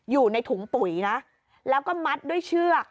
อยู่ในถุงปุ๋ยนะแล้วก็มัดด้วยเชือก